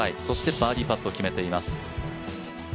そして、バーディーパットを決めています。